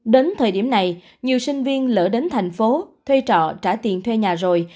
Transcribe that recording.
đến thời điểm này nhiều sinh viên lỡ đến thành phố thuê trọ trả tiền thuê nhà rồi